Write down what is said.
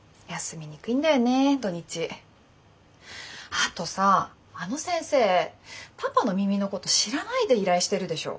あとさあの先生パパの耳のこと知らないで依頼してるでしょ。